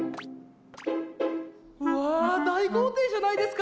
・うわ大豪邸じゃないですか！